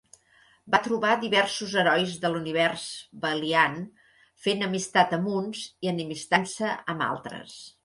Va trobar diversos herois de l'Univers Valiant, fent amistat amb uns i enemistant-se amb altres.